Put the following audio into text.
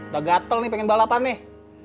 udah gatel nih pengen balapan nih